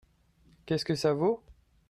Qu'est-ce que ça vaut ?